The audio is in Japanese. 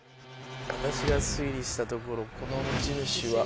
私が推理したところこの持ち主は。